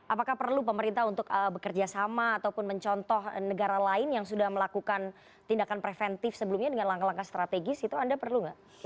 apakah perlu pemerintah untuk bekerja sama ataupun mencontoh negara lain yang sudah melakukan tindakan preventif sebelumnya dengan langkah langkah strategis itu anda perlu nggak